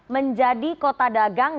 menjadi kota dagang